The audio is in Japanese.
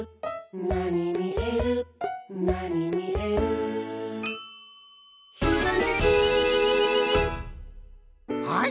「なにみえるなにみえる」「ひらめき」はい！